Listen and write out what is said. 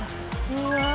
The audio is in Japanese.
うわ！